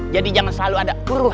jadi jangan selalu ada buru hara